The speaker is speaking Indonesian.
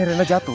ini rena jatuh